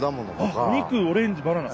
あっお肉オレンジバナナ。